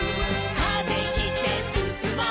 「風切ってすすもう」